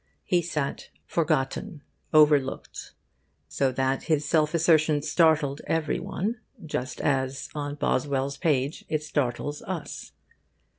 He sat forgotten, overlooked; so that his self assertion startled every one just as on Boswell's page it startles us.